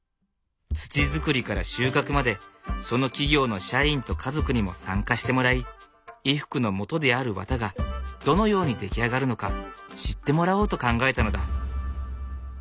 土づくりから収穫までその企業の社員と家族にも参加してもらい衣服のもとである綿がどのように出来上がるのか知ってもらおうと考えたのだ。